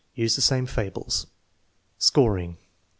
Use the same fables. Scoring.